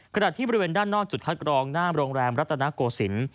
ขณะที่บริเวณด้านนอกจุดคัดกรองหน้าโรงแรมรัตนโกศิลป์